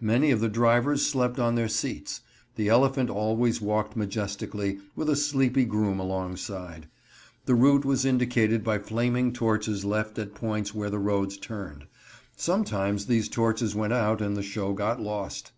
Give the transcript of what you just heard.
Many of the drivers slept on their seats. The elephant always walked majestically, with a sleepy groom alongside. The route was indicated by flaming torches left at points where the roads turned. Sometimes these torches went out, and the show got lost.